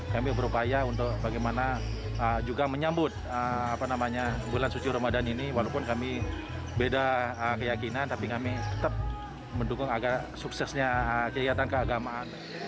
kami berupaya untuk bagaimana juga menyambut bulan suci ramadan ini walaupun kami beda keyakinan tapi kami tetap mendukung agar suksesnya kegiatan keagamaan